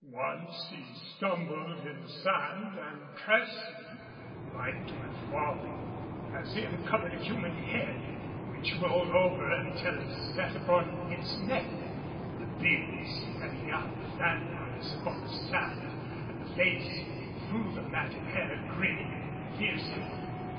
Once he stumbled in the sand and cursing, like to have fallen as he uncovered a human head which rolled over until it sat upon its neck, the beard spreading out fan wise upon the sand and the face through the matted hair grinning fiercely.